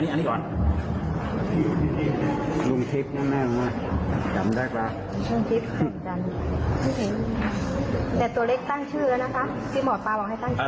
แต่ตัวเล็กตั้งชื่อแล้วนะคะที่หมอปลาบอกให้ตั้งชื่อ